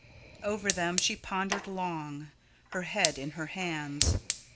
Over them she pondered long, her head in her hands.